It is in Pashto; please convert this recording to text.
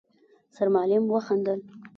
سرمعلم وخندل: